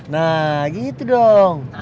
nah gitu dong